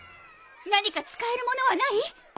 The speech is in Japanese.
何か使える物はない？